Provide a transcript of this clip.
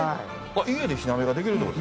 家で火鍋ができるってこと？